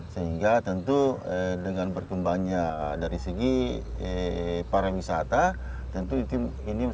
sehingga tentu dengan berkembangnya dari segi para wisata tentu ini masyarakat yang berkembang